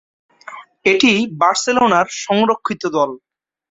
এটি বার্সেলোনার সংরক্ষিত দল।